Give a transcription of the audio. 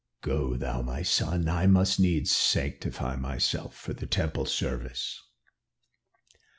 "Go thou, my son. I must needs sanctify myself for the temple service."